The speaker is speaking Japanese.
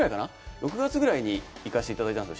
６月ぐらいに行かせていただいたんですよ。